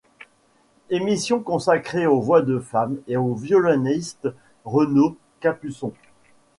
Émission consacrée aux voix de femmes et au violoniste Renaud Capuçon.